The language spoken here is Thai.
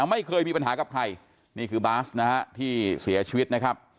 ไม่เคยมีปัญหากับใครนี่คือบาสนะฮะที่เสียชีวิตนะครับ